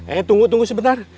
eh tunggu tunggu sebentar